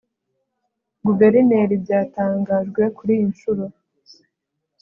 Guverineri byatangajwe kuri iyi nshuro